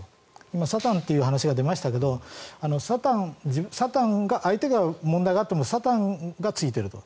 今、サタンという話が出ましたが相手が問題があってもサタンがついていると。